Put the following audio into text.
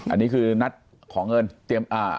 อันนี้คือนัดขอเงินเตรียม